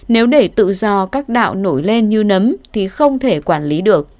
nếu để tự do các đạo nổi lên như nấm thì không thể quản lý được